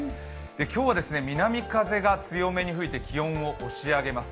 今日は南風が強めに吹いて気温を押し上げます。